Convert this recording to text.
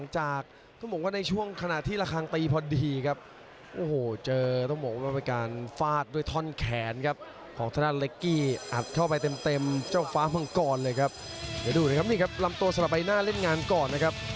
จังหวะปีอัดของทนะฟ้าบางกร